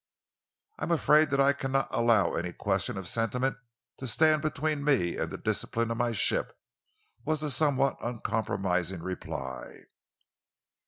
"I am afraid that I cannot allow any question of sentiment to stand between me and the discipline of my ship," was the somewhat uncompromising reply.